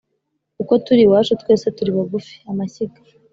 Uko turi iwacu twese turi bagufi-Amashyiga.